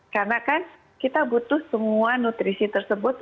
karena kan kita butuh semua nutrisi tersebut